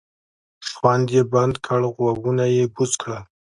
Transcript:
شخوند یې بند کړ غوږونه یې بوڅ کړل.